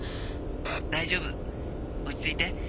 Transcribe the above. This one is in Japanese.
大丈夫落ち着いて。